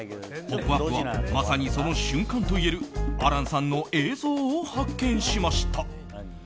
「ポップＵＰ！」はまさにその瞬間といえる亜嵐さんの映像を発見しました。